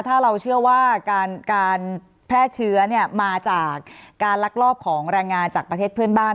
ถ้าเราเชื่อว่าการแพร่เชื้อมาจากการลักลอบของแรงงานจากประเทศเพื่อนบ้าน